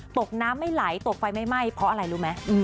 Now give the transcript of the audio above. ตกน้ำไม่ไหลตกไฟไม่ไหม้เพราะอะไรรู้ไหม